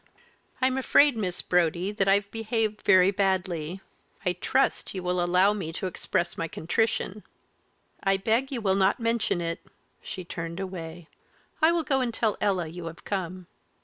"I'm afraid, Miss Brodie, that I've behaved very badly. I trust you will allow me to express my contrition." "I beg you will not mention it," she turned away; "I will go and tell Ella you have come."